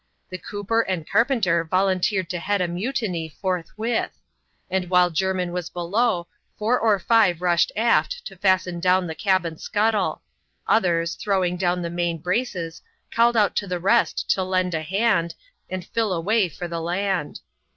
The cooper and carpenter volun teered to head a mutiny forthwith ; and, while Jermin was be low, four or ii^ve rushed aft to fasten down the cabin scuttle ; others, throwing down the main braces, called out to the rest to lend a hand, and Sll away for the land.